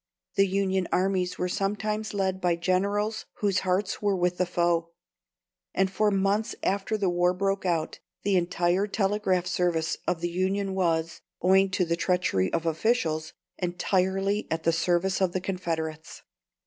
The Union armies were sometimes led by generals whose hearts were with the foe; and for months after the war broke out, the entire telegraph service of the Union was, owing to the treachery of officials, entirely at the service of the Confederates.